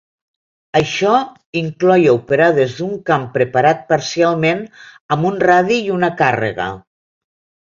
Això incloïa operar des d'un camp preparat parcialment amb un radi i una càrrega.